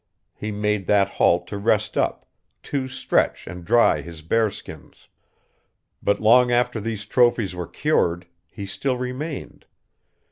He made that halt to rest up, to stretch and dry his bear skins. But long after these trophies were cured, he still remained.